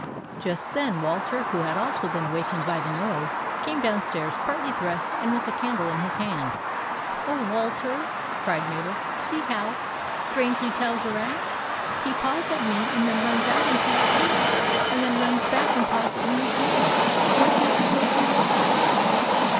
Just then Walter, who had also been awakened by the noise, came downstairs partly dressed and with a candle in his hand. " Oh, Walter !" cried Mabel. " See how strangely Towser acts ! He paws at me and then runs out into the dark, and then runs back and paws at me again. What do you suppose he wants